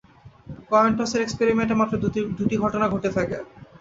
Coin toss এর এক্সপেরিমেন্টে মাত্র দুটি ঘটনা ঘটে থাকে।